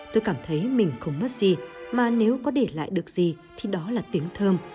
tôi cảm thấy mình không mất gì mà nếu có để lại được gì thì đó là tiếng thơm